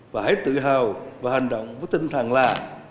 và hãy tự hào và hành động với tinh thần là